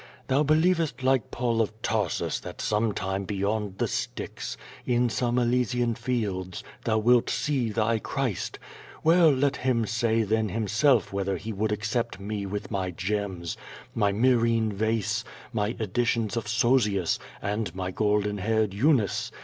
Thou believest, like PauiAof Tarsus, that some time beyond the Styx, in some Elysian fields, thou wilt sue thy Clirist. Well, let Him say then Himself whether He would accept me with my gems, my Myrrliene vase, my edi tions of Sozius, and my golden haired Eunice.